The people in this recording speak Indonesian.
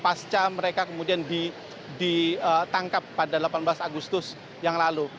pasca mereka kemudian ditangkap pada delapan belas agustus yang lalu